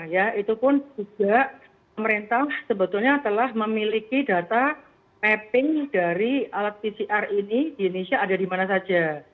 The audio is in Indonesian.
ya itu pun juga pemerintah sebetulnya telah memiliki data mapping dari alat pcr ini di indonesia ada di mana saja